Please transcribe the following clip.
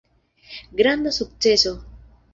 Granda sukceso!